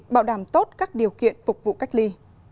bảo đảm tốt các điều kiện phục vụ cách ly